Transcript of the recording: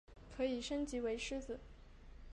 可以升级为狮子。